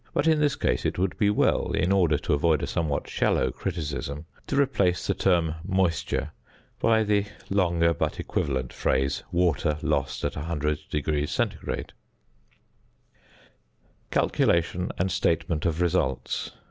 but in this case it would be well, in order to avoid a somewhat shallow criticism, to replace the term "moisture" by the longer but equivalent phrase "water lost at 100° C." ~Calculation and Statement of Results.